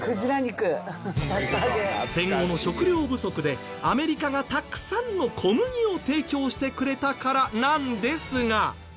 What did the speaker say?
戦後の食糧不足でアメリカがたくさんの小麦を提供してくれたからなんですが。